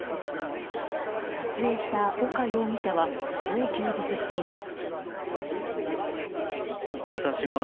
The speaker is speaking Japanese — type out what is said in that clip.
撮影した岡容疑者はこう供述しています。